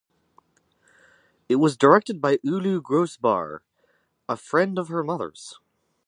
It was directed by Ulu Grosbard, a friend of her mother's.